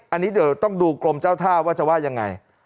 อันนี้เดี๋ยวต้องดูกรมเจ้าท่าว่าจะว่ายังไง